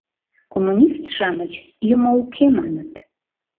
Коммунист-шамыч, юмо уке, маныт.